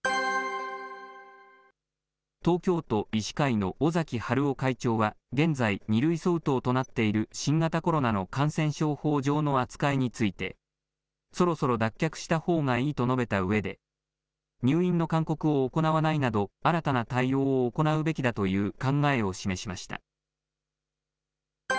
東京都医師会の尾崎治夫会長は、現在、二類相当となっている新型コロナの感染症法上の扱いについて、そろそろ脱却したほうがいいと述べたうえで、入院の勧告を行わないなど、新たな対応を行うべきだという考えを示しました。